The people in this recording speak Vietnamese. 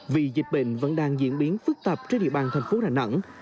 vì dịch bệnh vẫn đang diễn biến phức tạp trên địa bàn thành phố đà nẵng